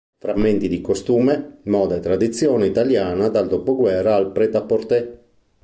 Frammenti di costume, moda e tradizione italiana dal dopoguerra al prêt-à-porter".